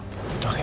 terima kasih ya